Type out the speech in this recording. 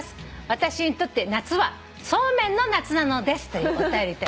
「私にとって夏はそうめんの夏なのです」というお便り。